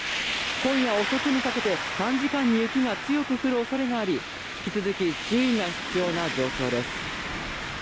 今夜遅くにかけて短時間に雪が強く降るおそれがあり引き続き注意が必要な状況です。